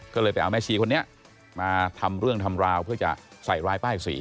เจ้าเลยไปเอาแม่ชีคนนี้มาทำเรื่องเพื่อใส่รายป้ายสี